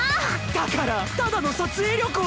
だからただの撮影旅行で。